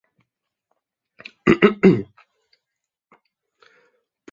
Podobu jihozápadního cípu jádra neznáme.